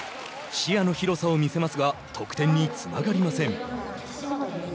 視野の広さを見せますが得点につながりません。